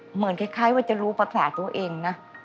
เหมือนคล้ายว่าจะรู้ภาษาตัวเองนะ